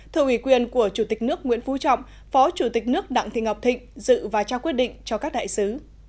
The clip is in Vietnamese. thưa ủy quyền của chủ tịch nước nguyễn phú trọng phó chủ tịch nước đặng thị ngọc thịnh dự và trao quyết định cho các đại sứ